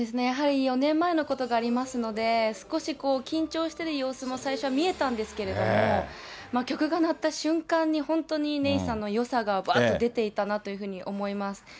やはり４年前のことがありますので、少しこう緊張している様子も、最初は見えたんですけども、曲が鳴った瞬間に、本当にネイサンのよさがばーっと出ていたなというふうに思います。